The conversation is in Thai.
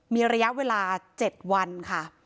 มีระยะเวลา๗วันค่ะ